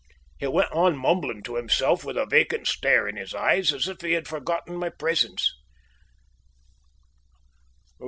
He went on mumbling to himself with a vacant stare in his eyes as if he had forgotten my presence.